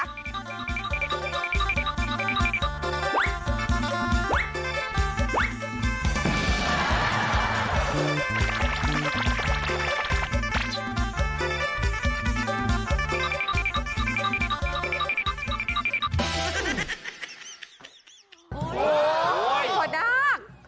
ขวดดาก